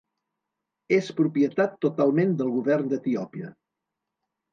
És propietat totalment del govern d'Etiòpia.